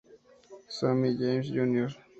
Sammy James Jr.